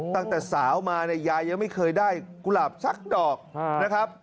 ตั้งแต่สาวมาเนี่ยยายยังไม่เคยได้กุหลาบสักดอกนะครับ